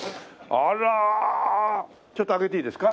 ちょっと開けていいですか？